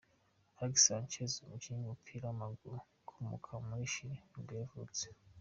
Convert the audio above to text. Alexis Sanchez, umukinnyi w’umupira w’amaguru ukomoka muri Chile nibwo yavutse.